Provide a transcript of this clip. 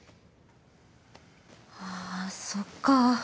あそっか。